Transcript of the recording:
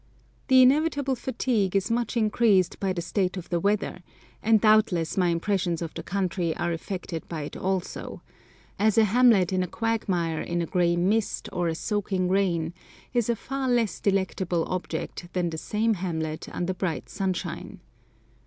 The inevitable fatigue is much increased by the state of the weather, and doubtless my impressions of the country are affected by it also, as a hamlet in a quagmire in a gray mist or a soaking rain is a far less delectable object than the same hamlet under bright sunshine.